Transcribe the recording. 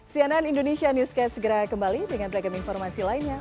cnn indonesia newscast segera kembali dengan beragam informasi lainnya